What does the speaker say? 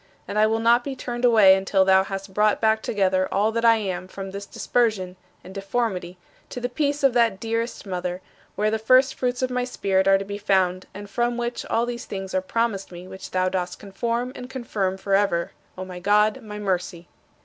And I will not be turned away until thou hast brought back together all that I am from this dispersion and deformity to the peace of that dearest mother, where the first fruits of my spirit are to be found and from which all these things are promised me which thou dost conform and confirm forever, O my God, my Mercy.